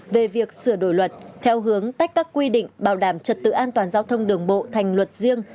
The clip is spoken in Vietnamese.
về việc sửa đổi luật theo hướng tách các quy định bảo đảm trật tự an toàn giao thông đường bộ thành luật riêng